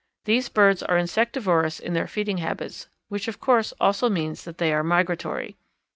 These birds are insectivorous in their feeding habits, which of course also means that they are migratory.